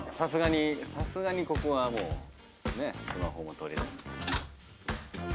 さすがにここはもうねスマホも取り出す。